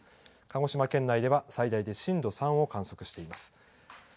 鹿児島県内では、最大で震度３を観測しています。